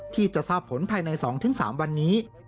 ที่จะทราบผลภายใน๒๓วันนี้